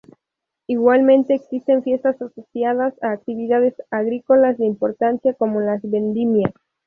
Igualmente existen fiestas asociadas a actividades agrícolas de importancia como las vendimia.